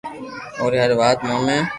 اوري ھر وات موني